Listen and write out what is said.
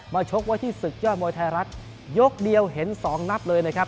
ชกไว้ที่ศึกยอดมวยไทยรัฐยกเดียวเห็นสองนับเลยนะครับ